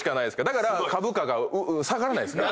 だから株価が下がらないんですから。